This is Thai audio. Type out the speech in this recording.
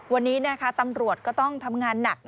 วันนี้ตำรวจก็ต้องทำงานหนัก